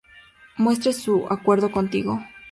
muestre su acuerdo contigo